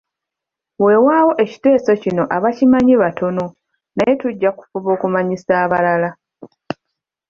Weewaawo ekiteeso kino abakimanyi batono naye tujja kufuba okumanyisa abalala.